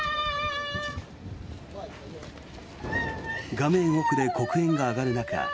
画面奥で黒煙が上がる中